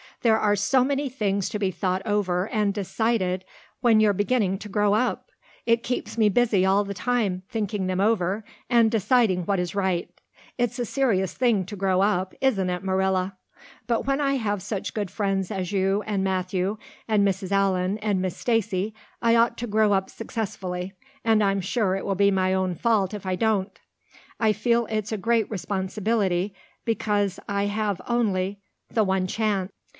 There are so many things to be thought over and decided when you're beginning to grow up. It keeps me busy all the time thinking them over and deciding what is right. It's a serious thing to grow up, isn't it, Marilla? But when I have such good friends as you and Matthew and Mrs. Allan and Miss Stacy I ought to grow up successfully, and I'm sure it will be my own fault if I don't. I feel it's a great responsibility because I have only the one chance.